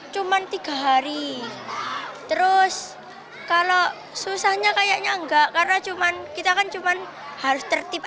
cuman tiga hari terus kalau susahnya kayaknya enggak karena cuman kita kan cuman harus tertip